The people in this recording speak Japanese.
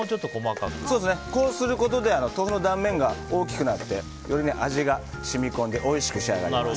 こうすることで豆腐の断面が大きくなってより味が染み込んでおいしく仕上がります。